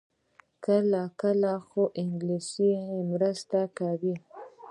کله کله، خو انګلیسي مرسته کوي